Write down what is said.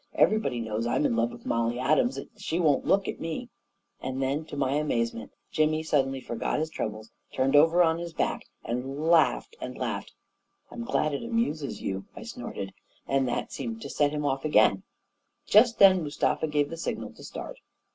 Everybody knows I'm in love with Mollie Adams and that she won't look at me ..." And then, to my amazement, Jimmy suddenly for got his troubles and turned over on his back and laughed and laughed. " I'm glad it amuses you 1 " I snorted ; and that seemed to set him off again ; and just then Mustafa gave the signal to start.